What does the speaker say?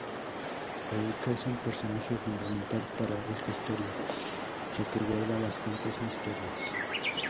Aika es un personaje fundamental para esta historia, ya que guarda bastantes misterios.